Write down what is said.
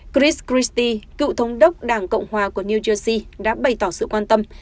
chris christi cựu thống đốc đảng cộng hòa của new jersey đã bày tỏ sự quan tâm